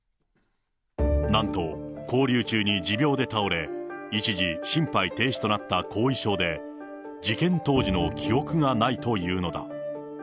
なんと勾留中に持病で倒れ、一時、心肺停止となった後遺症で、事件当時の記憶がないというのだ。